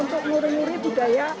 untuk murid murid budaya